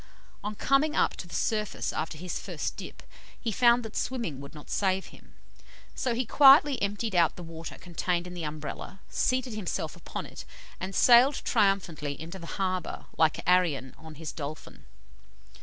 On coming up to the surface after his first dip, he found that swimming would not save him; so he quietly emptied out the water contained in the Umbrella, seated himself upon it, and sailed triumphantly into the harbour, like Arion on his dolphin.